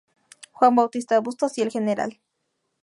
Juan Bautista Bustos y el Gral.